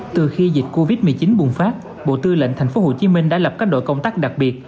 từ khi dịch covid một mươi chín bùng phát bộ tư lệnh tp hcm đã lập các đội công tác đặc biệt